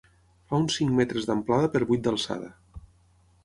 Fa uns cinc metres d'amplada per vuit d'alçada.